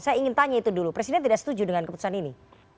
saya ingin tanya itu dulu presiden tidak setuju dengan keputusan ini